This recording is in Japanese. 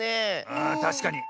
あたしかに。